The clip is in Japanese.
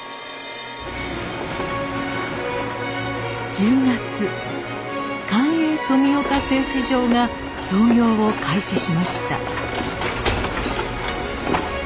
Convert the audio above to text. １０月官営富岡製糸場が操業を開始しました。